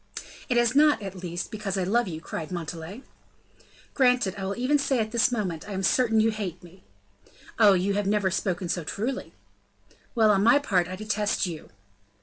"It is not, at least, because I love you," cried Montalais. "Granted. I will even say, at this moment, I am certain that you hate me." "Oh, you have never spoken so truly." "Well, on my part, I detest you."